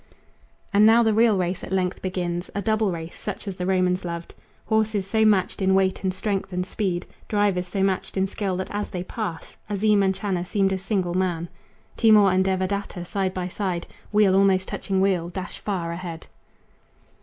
And now the real race at length begins, A double race, such as the Romans loved. Horses so matched in weight and strength and speed, Drivers so matched in skill that as they pass Azim and Channa seemed a single man. Timour and Devadatta, side by side, Wheel almost touching wheel, dash far ahead.